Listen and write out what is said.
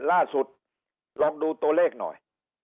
ล่าสุดลองดูตัวเลขหน่อย